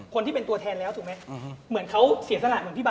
คนที่เป็นตัวแทนแล้วถูกไหม